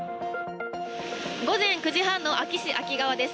午前９時半の安芸市安芸川です。